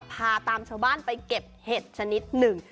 พาตามชาวบ้านไปเก็บเห็ดชนิดหนึ่ง